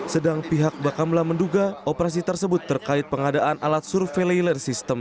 sedang pihak bakamla menduga operasi tersebut terkait pengadaan alat survei layer system